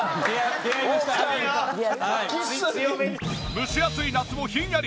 蒸し暑い夏もひんやり！